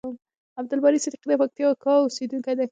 عبدالباری صدیقی د پکتیکا اوسیدونکی یم.